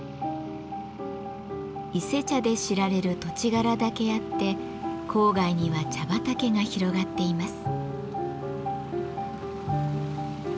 伊勢茶で知られる土地柄だけあって郊外には茶畑が広がっています。